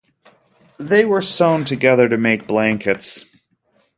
They were sewn together to make blankets.